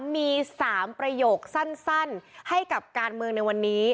มี๓ประโยคสั้นให้กับการเมืองในวันนี้